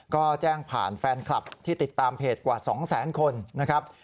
ก็แจ้งผ่านแฟนคลับที่ติดตามเพจกว่า๒แสนคนนะครับ